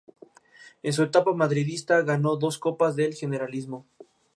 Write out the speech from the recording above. En su etapa madridista ganó dos Copas del Generalísimo.